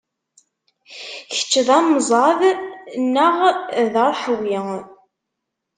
Kečč d amẓad neɣ d aṛeḥwi?